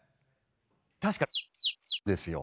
確かですよ。